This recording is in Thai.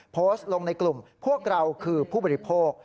โพสต์ลงในกลุ่มพวกเราคือผู้บริโภค